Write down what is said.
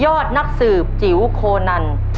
เรื่องที่๒ยอดนักสืบจิ๋วโคนัล